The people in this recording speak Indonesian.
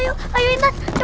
yang ada katanya